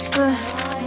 はい。